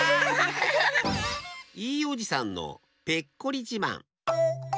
いいおじさんのペッコリじまん。